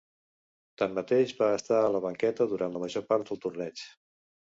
Tanmateix, va estar a la banqueta durant la major part del torneig.